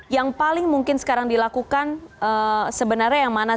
yang paling mungkin sekarang dilakukan sebenarnya yang mana